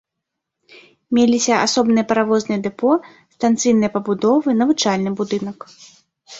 Меліся асобнае паравознае дэпо, станцыйныя пабудовы, навучальны будынак.